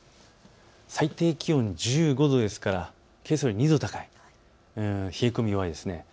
最低気温１５度ですからけさより２度高い、冷え込みが弱いです。